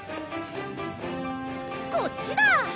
こっちだ！